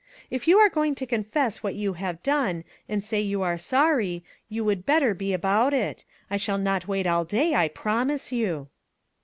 If you are going to confess what you have done, and say you are sorry, you would better be about it; I shall not wait all day, I promise you."